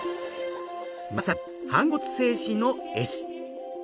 まさに反骨精神の絵師。